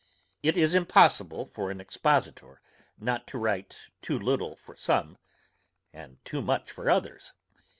It is impossible for an expositor not to write too little for some, and too much for others.